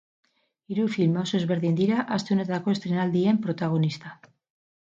Hiru film oso ezberdin dira aste honetako estreinaldien protagonista.